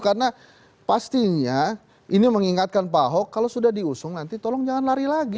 karena pastinya ini mengingatkan pak ahok kalau sudah diusung nanti tolong jangan lari lagi